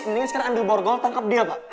mendingan sekarang ambil borgol tangkap dia pak